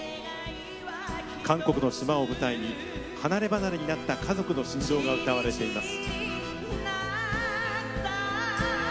韓国の島を舞台に離れ離れになった家族の心情が歌われています。